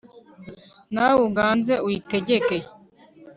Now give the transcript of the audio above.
nawe uganze uyitegeke